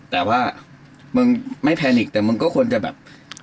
แต่ว่ามึงไม่แพนิกแต่มึงก็ควรจะแบบ